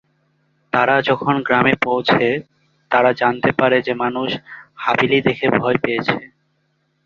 তারা যখন গ্রামে পৌঁছে, তারা জানতে পারে যে মানুষ হাভেলি দেখে ভয় পেয়েছে।